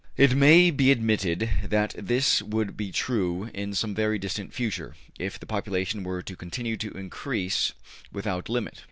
It may be admitted that this would be true in some very distant future if the population were to continue to increase without limit.